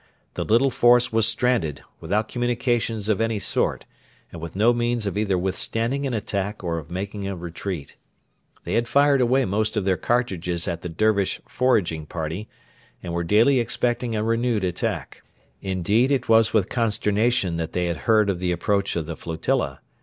The little force was stranded, without communications of any sort, and with no means of either withstanding an attack or of making a retreat. They had fired away most of their cartridges at the Dervish foraging party, and were daily expecting a renewed attack. Indeed, it was with consternation that they had heard of the approach of the flotilla.